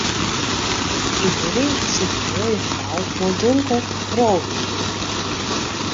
Yn de rige stiet in moaie frou mei donker krolhier.